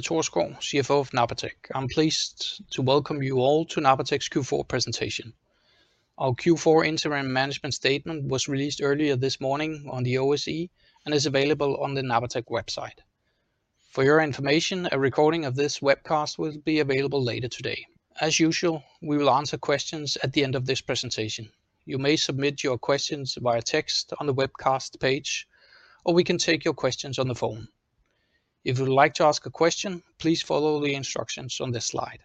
Thorsgaard, CFO of Napatech. I'm pleased to welcome you all to Napatech's Q4 presentation. Our Q4 interim management statement was released earlier this morning on the OSE and is available on the Napatech website. For your information, a recording of this webcast will be available later today. As usual, we will answer questions at the end of this presentation. You may submit your questions via text on the webcast page, or we can take your questions on the phone. If you would like to ask a question, please follow the instructions on this slide.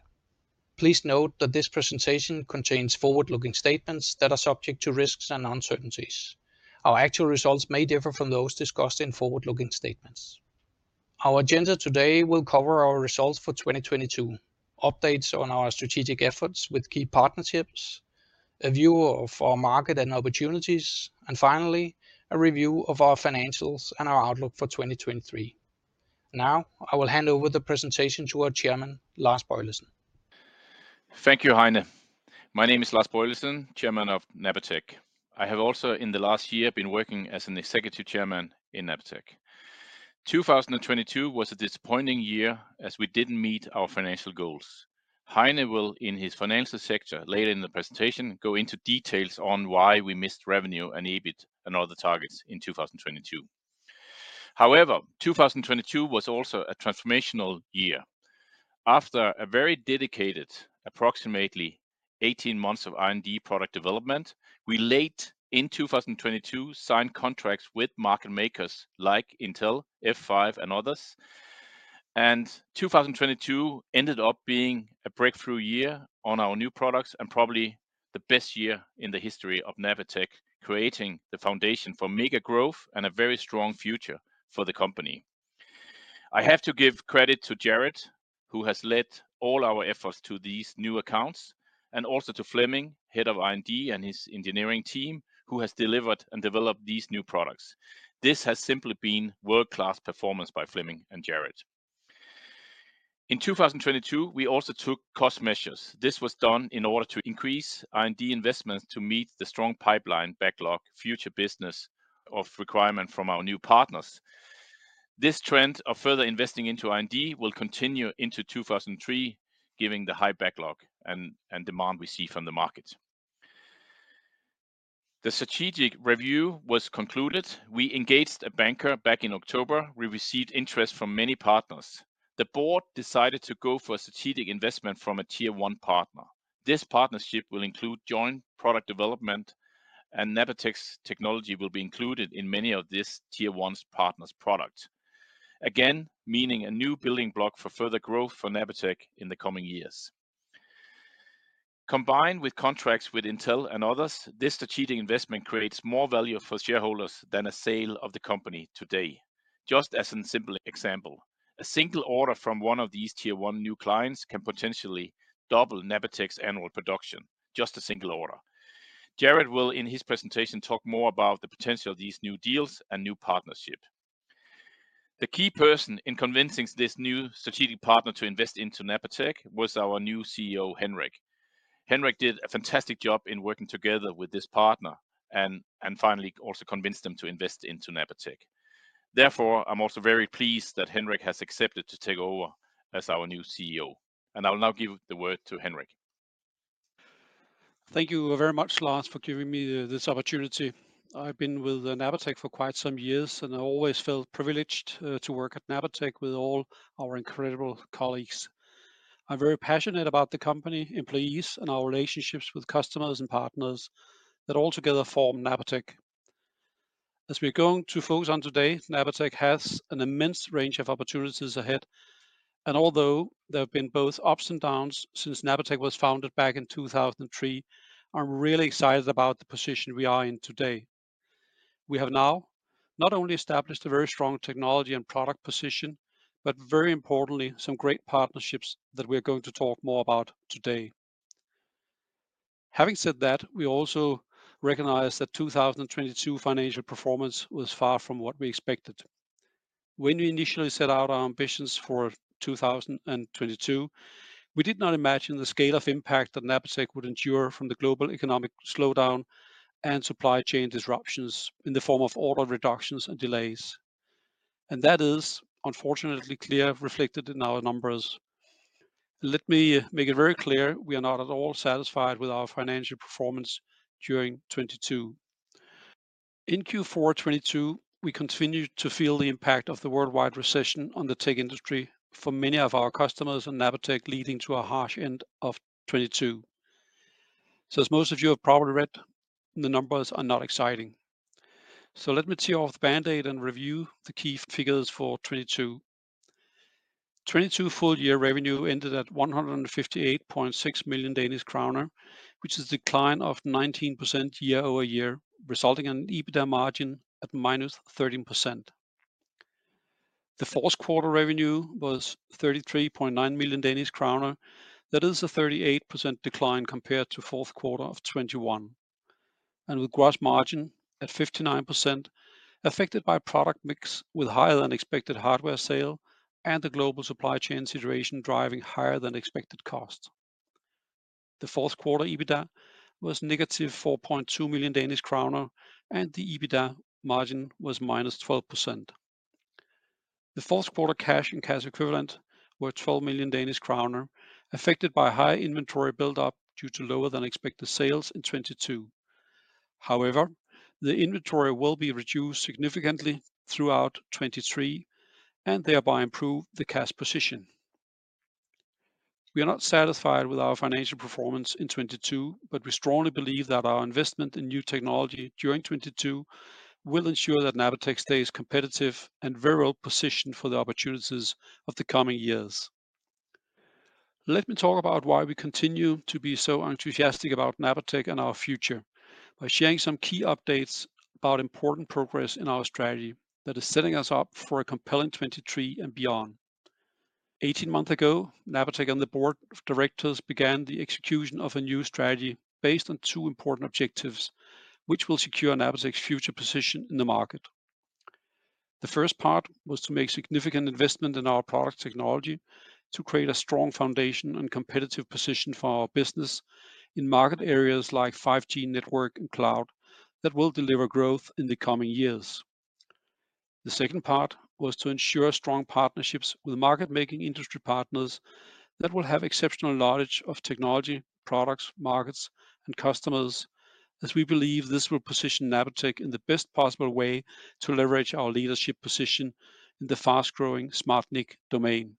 Please note that this presentation contains forward-looking statements that are subject to risks and uncertainties. Our actual results may differ from those discussed in forward-looking statements. Our agenda today will cover our results for 2022, updates on our strategic efforts with key partnerships, a view of our market and opportunities, and finally, a review of our financials and our outlook for 2023. Now, I will hand over the presentation to our chairman, Lars Boilesen. Thank you, Heine. My name is Lars Boilesen, chairman of Napatech. I have also in the last year been working as an executive chairman in Napatech. 2022 was a disappointing year as we didn't meet our financial goals. Heine will, in his financial sector later in the presentation, go into details on why we missed revenue and EBIT and other targets in 2022. However, 2022 was also a transformational year. After a very dedicated approximately 18 months of R&D product development, we late in 2022 signed contracts with market makers like Intel, F5, and others. 2022 ended up being a breakthrough year on our new products and probably the best year in the history of Napatech, creating the foundation for mega growth and a very strong future for the company. I have to give credit to Jarrod, who has led all our efforts to these new accounts, and also to Flemming, head of R&D and his engineering team, who has delivered and developed these new products. This has simply been world-class performance by Flemming and Jarrod. In 2022, we also took cost measures. This was done in order to increase R&D investments to meet the strong pipeline backlog future business of requirement from our new partners. This trend of further investing into R&D will continue into 2003, giving the high backlog and demand we see from the market. The strategic review was concluded. We engaged a banker back in October. We received interest from many partners. The board decided to go for a strategic investment from a tier one partner. This partnership will include joint product development. Napatech's technology will be included in many of this tier one's partner's product. Meaning a new building block for further growth for Napatech in the coming years. Combined with contracts with Intel and others, this strategic investment creates more value for shareholders than a sale of the company today. As a simple example, a single order from one of these tier one new clients can potentially double Napatech's annual production, just a single order. Jarrod will, in his presentation, talk more about the potential of these new deals and new partnership. The key person in convincing this new strategic partner to invest into Napatech was our new CEO, Henrik. Henrik did a fantastic job in working together with this partner and finally also convinced them to invest into Napatech. I'm also very pleased that Henrik has accepted to take over as our new CEO. I will now give the word to Henrik. Thank you very much, Lars, for giving me this opportunity. I've been with Napatech for quite some years, and I always felt privileged to work at Napatech with all our incredible colleagues. I'm very passionate about the company, employees, and our relationships with customers and partners that all together form Napatech. As we're going to focus on today, Napatech has an immense range of opportunities ahead. Although there have been both ups and downs since Napatech was founded back in 2003, I'm really excited about the position we are in today. We have now not only established a very strong technology and product position, but very importantly, some great partnerships that we are going to talk more about today. Having said that, we also recognize that 2022 financial performance was far from what we expected. When we initially set out our ambitions for 2022, we did not imagine the scale of impact that Napatech would endure from the global economic slowdown and supply chain disruptions in the form of order reductions and delays. That is unfortunately clear reflected in our numbers. Let me make it very clear, we are not at all satisfied with our financial performance during 2022. In Q4 2022, we continued to feel the impact of the worldwide recession on the tech industry for many of our customers and Napatech, leading to a harsh end of 2022. As most of you have probably read, the numbers are not exciting. Let me tear off the Band-Aid and review the key figures for 2022. 2022 full year revenue ended at 158.6 million Danish kroner, which is a decline of 19% year-over-year, resulting in an EBITDA margin at -13%. The fourth quarter revenue was 33.9 million Danish kroner. That is a 38% decline compared to fourth quarter of 2021. With gross margin at 59% affected by product mix with higher than expected hardware sale and the global supply chain situation driving higher than expected costs. The fourth quarter EBITDA was -4.2 million Danish kroner, and the EBITDA margin was -12%. The fourth quarter cash and cash equivalent were 12 million Danish kroner, affected by high inventory buildup due to lower than expected sales in 2022. However, the inventory will be reduced significantly throughout 2022, and thereby improve the cash position. We are not satisfied with our financial performance in 2022. We strongly believe that our investment in new technology during 2022 will ensure that Napatech stays competitive and very well positioned for the opportunities of the coming years. Let me talk about why we continue to be so enthusiastic about Napatech and our future by sharing some key updates about important progress in our strategy that is setting us up for a compelling 2023 and beyond. 18 months ago, Napatech and the board of directors began the execution of a new strategy based on two important objectives, which will secure Napatech's future position in the market. The first part was to make significant investment in our product technology to create a strong foundation and competitive position for our business in market areas like 5G network and cloud that will deliver growth in the coming years. The second part was to ensure strong partnerships with market making industry partners that will have exceptional knowledge of technology, products, markets, and customers, as we believe this will position Napatech in the best possible way to leverage our leadership position in the fast-growing SmartNIC domain.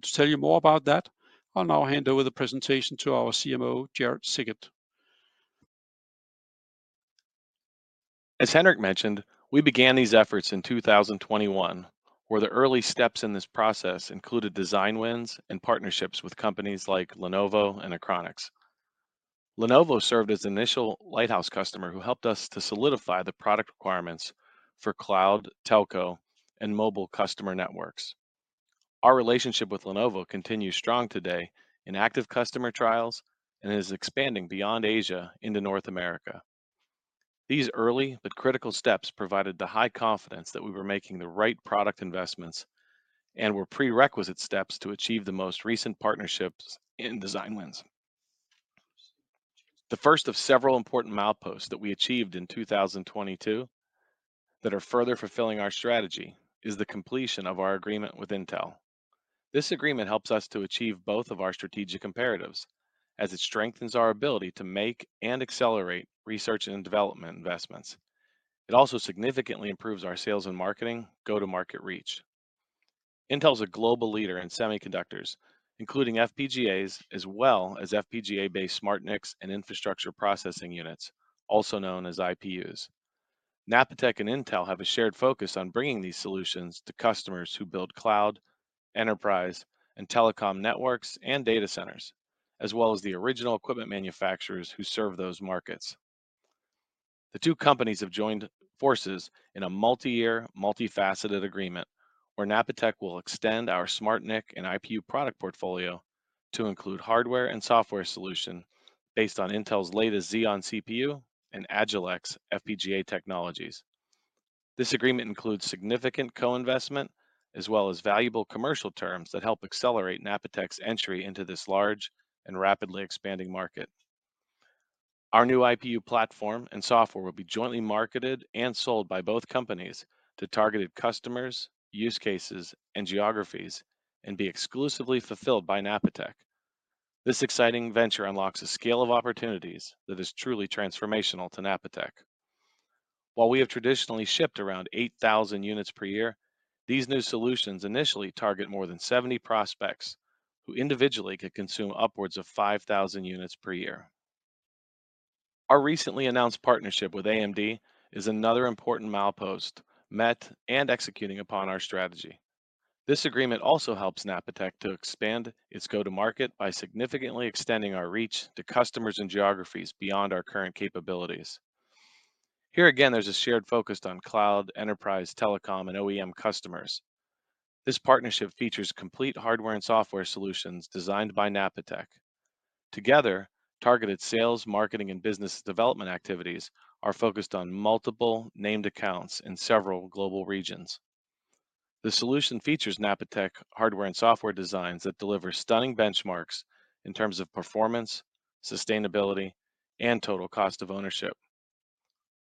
To tell you more about that, I'll now hand over the presentation to our CMO, Jarrod Siket. As Henrik mentioned, we began these efforts in 2021, where the early steps in this process included design wins and partnerships with companies like Lenovo and Achronix. Lenovo served as initial lighthouse customer who helped us to solidify the product requirements for cloud, telco, and mobile customer networks. Our relationship with Lenovo continues strong today in active customer trials and is expanding beyond Asia into North America. These early but critical steps provided the high confidence that we were making the right product investments and were prerequisite steps to achieve the most recent partnerships in design wins. The first of several important mileposts that we achieved in 2022 that are further fulfilling our strategy is the completion of our agreement with Intel. This agreement helps us to achieve both of our strategic imperatives as it strengthens our ability to make and accelerate research and development investments. It also significantly improves our sales and marketing go-to-market reach. Intel is a global leader in semiconductors, including FPGAs, as well as FPGA-based SmartNICs and infrastructure processing units, also known as IPUs. Napatech and Intel have a shared focus on bringing these solutions to customers who build cloud, enterprise, and telecom networks and data centers, as well as the original equipment manufacturers who serve those markets. The two companies have joined forces in a multi-year, multifaceted agreement where Napatech will extend our SmartNIC and IPU product portfolio to include hardware and software solution based on Intel's latest Xeon CPU and Agilex FPGA technologies. This agreement includes significant co-investment as well as valuable commercial terms that help accelerate Napatech's entry into this large and rapidly expanding market. Our new IPU platform and software will be jointly marketed and sold by both companies to targeted customers, use cases, and geographies, and be exclusively fulfilled by Napatech. This exciting venture unlocks a scale of opportunities that is truly transformational to Napatech. While we have traditionally shipped around 8,000 units per year, these new solutions initially target more than 70 prospects who individually could consume upwards of 5,000 units per year. Our recently announced partnership with AMD is another important milepost met and executing upon our strategy. This agreement also helps Napatech to expand its go-to-market by significantly extending our reach to customers and geographies beyond our current capabilities. Here again, there's a shared focus on cloud, enterprise, telecom, and OEM customers. This partnership features complete hardware and software solutions designed by Napatech. Together, targeted sales, marketing, and business development activities are focused on multiple named accounts in several global regions. The solution features Napatech hardware and software designs that deliver stunning benchmarks in terms of performance, sustainability, and total cost of ownership.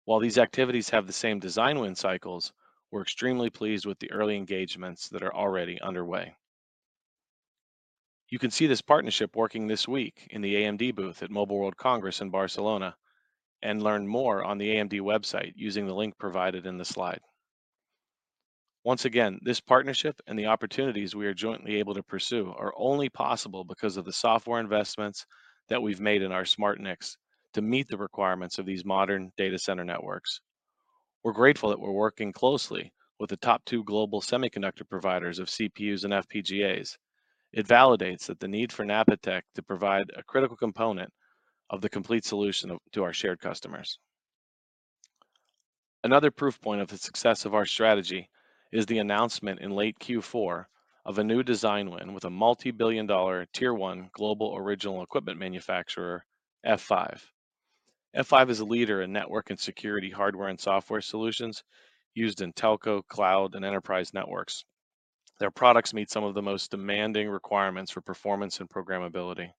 While these activities have the same design win cycles, we're extremely pleased with the early engagements that are already underway. You can see this partnership working this week in the AMD booth at Mobile World Congress in Barcelona and learn more on the AMD website using the link provided in the slide. Once again, this partnership and the opportunities we are jointly able to pursue are only possible because of the software investments that we've made in our SmartNICs to meet the requirements of these modern data center networks. We're grateful that we're working closely with the top two global semiconductor providers of CPUs and FPGAs. It validates that the need for Napatech to provide a critical component of the complete solution to our shared customers. Another proof point of the success of our strategy is the announcement in late Q4 of a new design win with a multi-billion dollar tier one global original equipment manufacturer, F5. F5 is a leader in network and security hardware and software solutions used in telco, cloud, and enterprise networks. Their products meet some of the most demanding requirements for performance and programmability.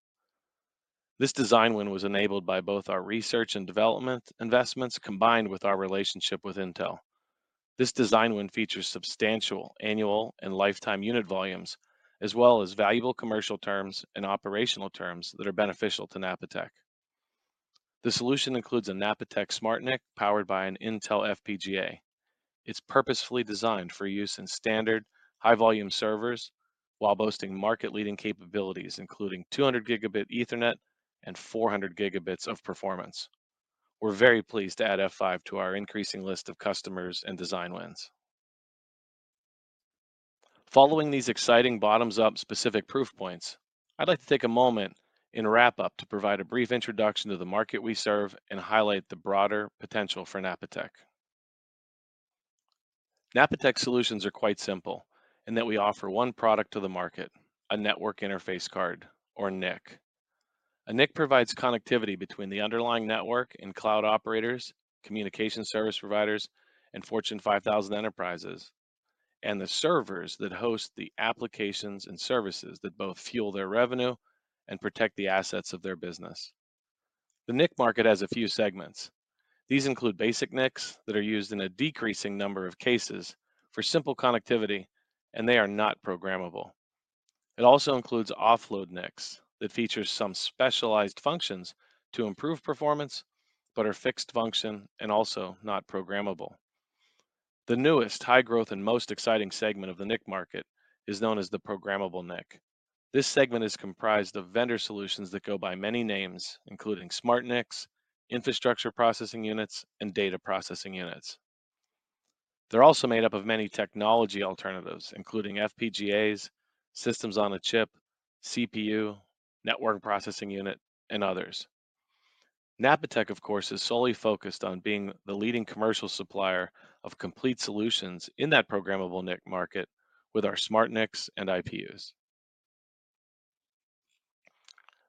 This design win was enabled by both our research and development investments, combined with our relationship with Intel. This design win features substantial annual and lifetime unit volumes, as well as valuable commercial terms and operational terms that are beneficial to Napatech. The solution includes a Napatech SmartNIC powered by an Intel FPGA. It's purposefully designed for use in standard high-volume servers while boasting market-leading capabilities, including 200 Gb ethernet and 400 Gb of performance. We're very pleased to add F5 to our increasing list of customers and design wins. Following these exciting bottoms-up specific proof points, I'd like to take a moment and wrap up to provide a brief introduction to the market we serve and highlight the broader potential for Napatech. Napatech solutions are quite simple in that we offer one product to the market, a Network Interface Card or NIC. A NIC provides connectivity between the underlying network and cloud operators, communication service providers, and Fortune 5000 enterprises, and the servers that host the applications and services that both fuel their revenue and protect the assets of their business. The NIC market has a few segments. These include basic NICs that are used in a decreasing number of cases for simple connectivity, and they are not programmable. It also includes offload NICs that features some specialized functions to improve performance, but are fixed function and also not programmable. The newest high growth and most exciting segment of the NIC market is known as the programmable NIC. This segment is comprised of vendor solutions that go by many names, including SmartNICs, infrastructure processing units, and data processing units. They're also made up of many technology alternatives, including FPGAs, systems on a chip, CPU, Network Processing Unit, and others. Napatech, of course, is solely focused on being the leading commercial supplier of complete solutions in that programmable NIC market with our SmartNICs and IPUs.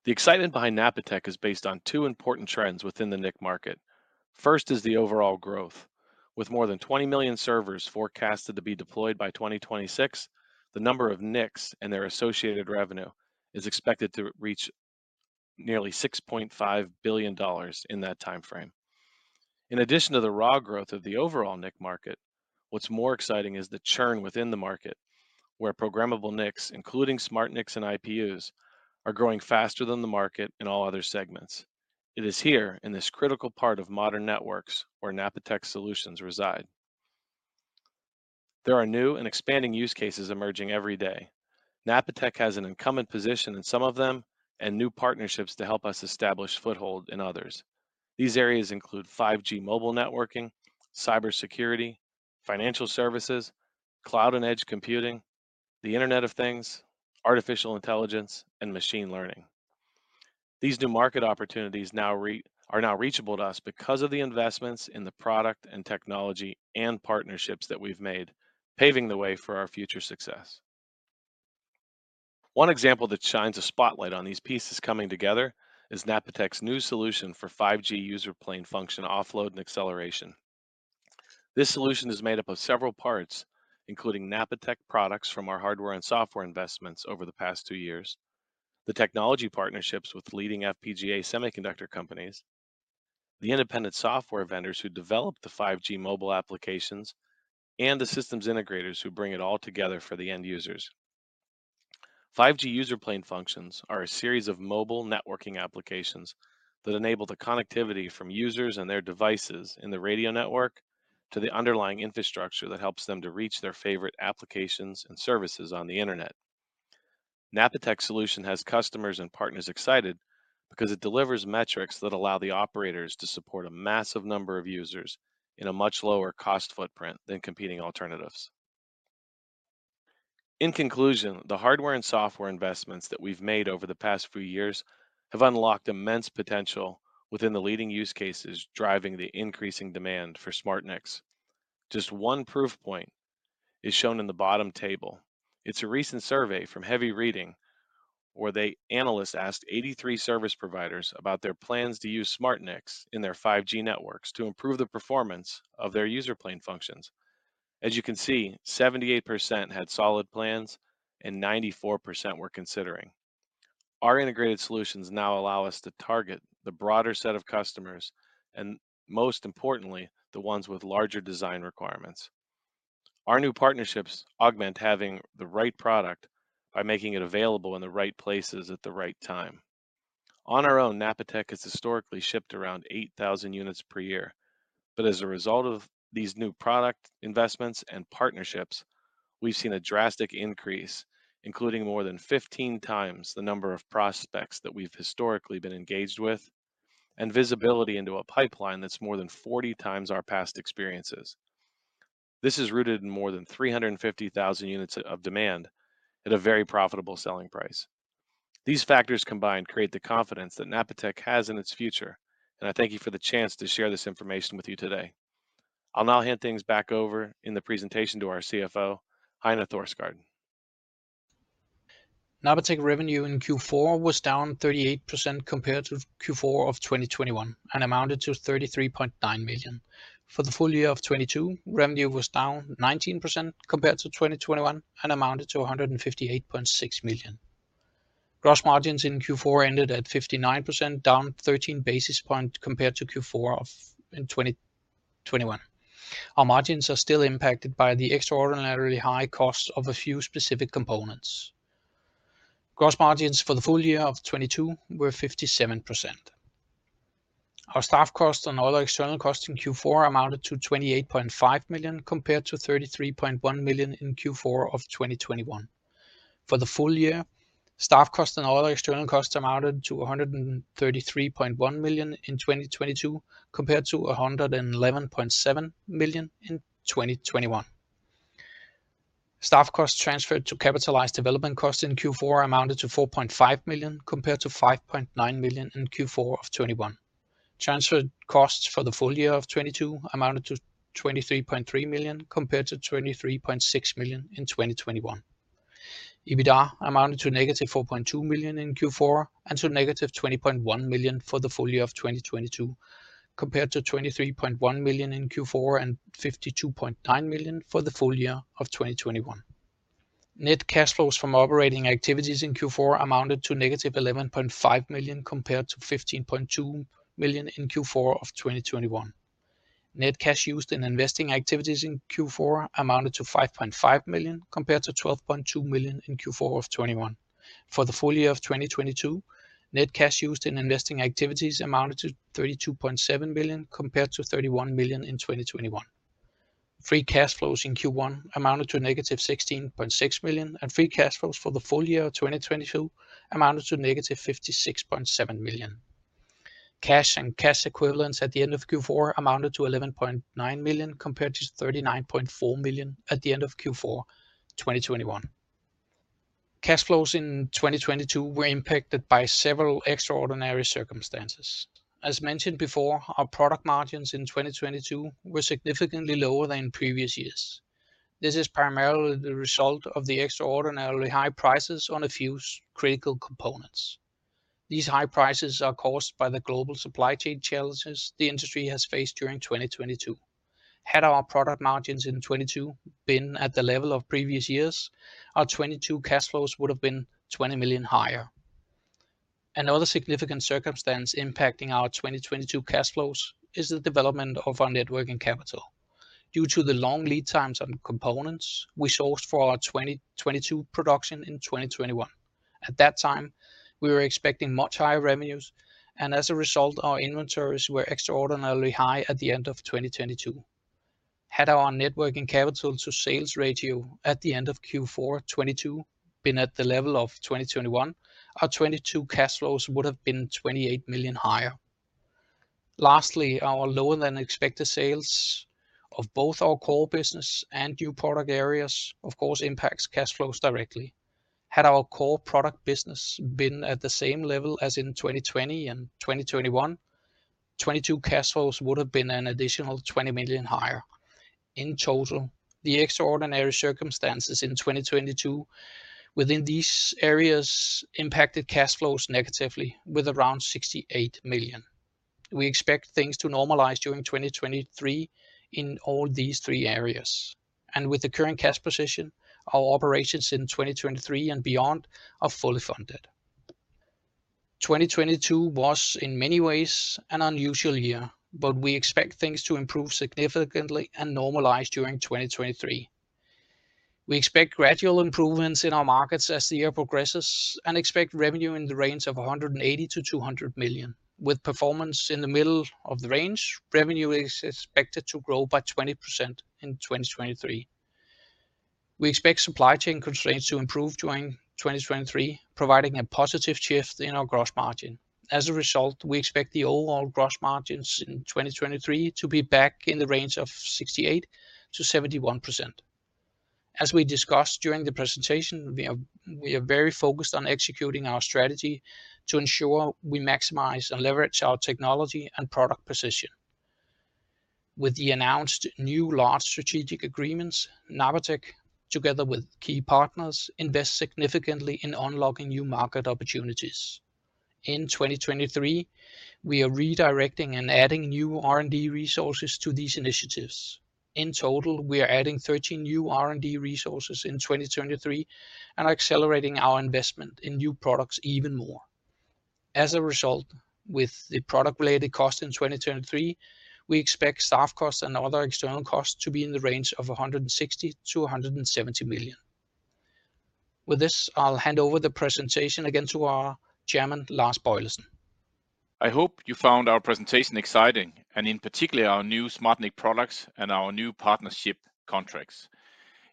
The excitement behind Napatech is based on two important trends within the NIC market. First is the overall growth. With more than 20 million servers forecasted to be deployed by 2026, the number of NICs and their associated revenue is expected to reach nearly $6.5 billion in that timeframe. In addition to the raw growth of the overall NIC market, what's more exciting is the churn within the market where programmable NICs, including SmartNICs and IPUs, are growing faster than the market in all other segments. It is here in this critical part of modern networks where Napatech solutions reside. There are new and expanding use cases emerging every day. Napatech has an incumbent position in some of them and new partnerships to help us establish foothold in others. These areas include 5G mobile networking, cybersecurity, financial services, cloud and edge computing, the Internet of Things, artificial intelligence, and machine learning. These new market opportunities are now reachable to us because of the investments in the product and technology and partnerships that we've made, paving the way for our future success. One example that shines a spotlight on these pieces coming together is Napatech's new solution for 5G user plane function offload and acceleration. This solution is made up of several parts, including Napatech products from our hardware and software investments over the past two years, the technology partnerships with leading FPGA semiconductor companies, the independent software vendors who develop the 5G mobile applications, and the systems integrators who bring it all together for the end users. 5G user plane functions are a series of mobile networking applications that enable the connectivity from users and their devices in the radio network to the underlying infrastructure that helps them to reach their favorite applications and services on the Internet. Napatech solution has customers and partners excited because it delivers metrics that allow the operators to support a massive number of users in a much lower cost footprint than competing alternatives. In conclusion, the hardware and software investments that we've made over the past few years have unlocked immense potential within the leading use cases driving the increasing demand for SmartNICs. Just one proof point is shown in the bottom table. It's a recent survey from Heavy Reading, where the analysts asked 83 service providers about their plans to use SmartNICs in their 5G networks to improve the performance of their user plane functions. As you can see, 78% had solid plans and 94% were considering. Our integrated solutions now allow us to target the broader set of customers and most importantly, the ones with larger design requirements. Our new partnerships augment having the right product by making it available in the right places at the right time. On our own, Napatech has historically shipped around 8,000 units per year. But as a result of these new product investments and partnerships, we've seen a drastic increase, including more than 15x the number of prospects that we've historically been engaged with and visibility into a pipeline that's more than 40x our past experiences. This is rooted in more than 350,000 units of demand at a very profitable selling price. These factors combined create the confidence that Napatech has in its future, and I thank you for the chance to share this information with you today. I'll now hand things back over in the presentation to our CFO, Heine Thorsgaard. Napatech revenue in Q4 was down 38% compared to Q4 of 2021, and amounted to 33.9 million. For the full year of 2022, revenue was down 19% compared to 2021, and amounted to 158.6 million. Gross margins in Q4 ended at 59%, down 13 basis points compared to Q4 in 2021. Our margins are still impacted by the extraordinarily high costs of a few specific components. Gross margins for the full year of 2022 were 57%. Our staff costs and all external costs in Q4 amounted to 28.5 million, compared to 33.1 million in Q4 of 2021. For the full year, staff costs and all external costs amounted to 133.1 million in 2022, compared to 111.7 million in 2021. Staff costs transferred to capitalized development costs in Q4 amounted to 4.5 million, compared to 5.9 million in Q4 of 2021. Transferred costs for the full year of 2022 amounted to 23.3 million, compared to 23.6 million in 2021. EBITDA amounted to negative 4.2 million in Q4, and to negative 20.1 million for the full year of 2022, compared to 23.1 million in Q4 and 52.9 million for the full year of 2021. Net cash flows from operating activities in Q4 amounted to negative 11.5 million, compared to 15.2 million in Q4 of 2021. Net cash used in investing activities in Q4 amounted to 5.5 million, compared to 12.2 million in Q4 of 2021. For the full year of 2022, net cash used in investing activities amounted to 32.7 million, compared to 31 million in 2021. Free cash flows in Q1 amounted to -16.6 million, and free cash flows for the full year of 2022 amounted to -56.7 million. Cash and cash equivalents at the end of Q4 amounted to 11.9 million, compared to 39.4 million at the end of Q4 2021. Cash flows in 2022 were impacted by several extraordinary circumstances. As mentioned before, our product margins in 2022 were significantly lower than previous years. This is primarily the result of the extraordinarily high prices on a few critical components. These high prices are caused by the global supply chain challenges the industry has faced during 2022. Had our product margins in 2022 been at the level of previous years, our 2022 cash flows would have been 20 million higher. Another significant circumstance impacting our 2022 cash flows is the development of our net working capital. Due to the long lead times on components, we sourced for our 2022 production in 2021. At that time, we were expecting much higher revenues, and as a result, our inventories were extraordinarily high at the end of 2022. Had our net working capital to sales ratio at the end of Q4 2022 been at the level of 2021, our 2022 cash flows would have been 28 million higher. Lastly, our lower than expected sales of both our core business and new product areas, of course, impacts cash flows directly. Had our core product business been at the same level as in 2020 and 2021, 2022 cash flows would have been an additional 20 million higher. In total, the extraordinary circumstances in 2022 within these areas impacted cash flows negatively with around 68 million. We expect things to normalize during 2023 in all these three areas. With the current cash position, our operations in 2023 and beyond are fully funded. 2022 was in many ways an unusual year. We expect things to improve significantly and normalize during 2023. We expect gradual improvements in our markets as the year progresses and expect revenue in the range of 180 million-200 million. With performance in the middle of the range, revenue is expected to grow by 20% in 2023. We expect supply chain constraints to improve during 2023, providing a positive shift in our gross margin. As a result, we expect the overall gross margins in 2023 to be back in the range of 68%-71%. As we discussed during the presentation, we are very focused on executing our strategy to ensure we maximize and leverage our technology and product position. With the announced new large strategic agreements, Napatech, together with key partners, invest significantly in unlocking new market opportunities. In 2023, we are redirecting and adding new R&D resources to these initiatives. In total, we are adding 13 new R&D resources in 2023 and accelerating our investment in new products even more. As a result, with the product-related cost in 2023, we expect staff costs and other external costs to be in the range of 160 million-170 million. With this, I'll hand over the presentation again to our Chairman, Lars Boilesen. I hope you found our presentation exciting, and in particular our new SmartNIC products and our new partnership contracts.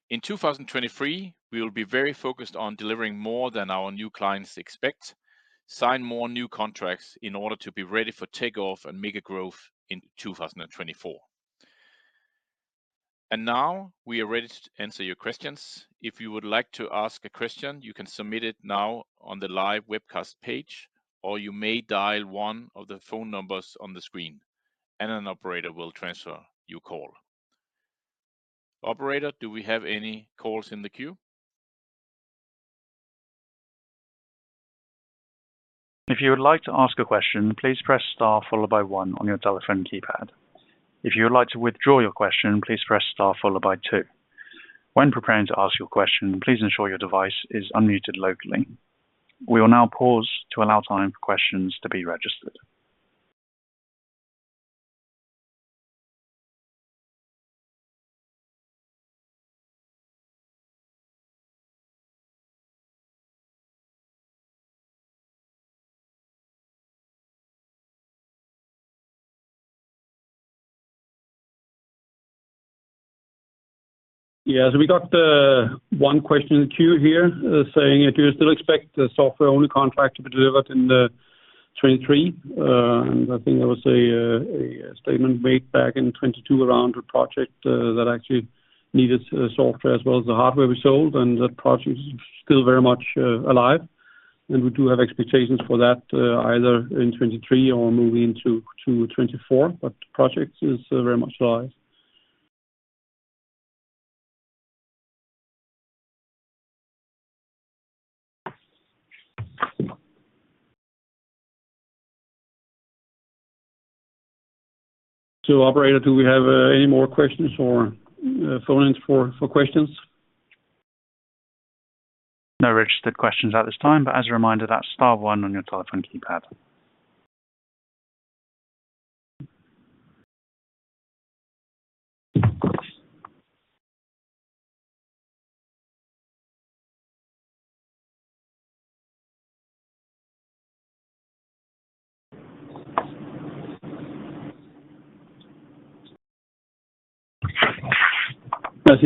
In 2023, we will be very focused on delivering more than our new clients expect, sign more new contracts in order to be ready for takeoff and mega growth in 2024. Now we are ready to answer your questions. If you would like to ask a question, you can submit it now on the live webcast page, or you may dial one of the phone numbers on the screen and an operator will transfer your call. Operator, do we have any calls in the queue? If you would like to ask a question, please press star followed by one on your telephone keypad. If you would like to withdraw your question, please press star followed by two. When preparing to ask your question, please ensure your device is unmuted locally. We will now pause to allow time for questions to be registered. We got one question in the queue here, saying, do you still expect the software-only contract to be delivered in 2023? I think there was a statement made back in 2022 around a project that actually needed software as well as the hardware we sold, and that project is still very much alive. We do have expectations for that either in 2023 or moving into 2024. The project is very much alive. Operator, do we have any more questions or phone-ins for questions? No registered questions at this time, but as a reminder, that's star one on your telephone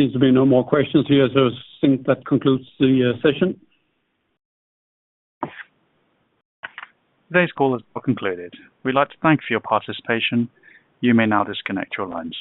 keypad. There seems to be no more questions here, so I think that concludes the session. Today's call is now concluded. We'd like to thank you for your participation. You may now disconnect your lines.